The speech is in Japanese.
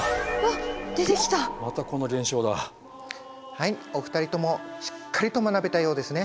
はいお二人ともしっかりと学べたようですね。